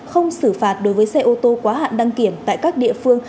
không xử phạt đối với xe ô tô quá hạn đăng kiểm tại các địa phương